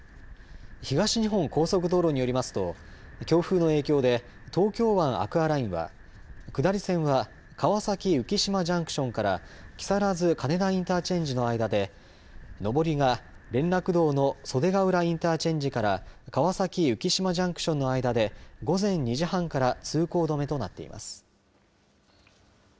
東日本高速道路によりますと強風の影響で東京湾アクアラインは下り線は川崎浮島ジャンクションから木更津金田インターチェンジの間で上りが、連絡道の袖ケ浦インターチェンジから川崎浮島ジャンクションの間で午前２時半から通行止めとなっています。